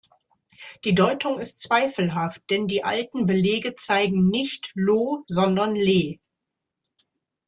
Die Deutung ist zweifelhaft, denn die alten Belege zeigen nicht -loh, sondern -le.